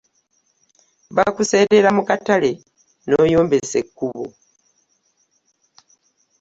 Bakuseerera mu katale n'oyombesa kkubo?